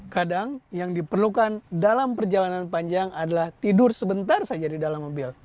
kadang yang diperlukan dalam perjalanan panjang adalah tidur sebentar saja di dalam mobil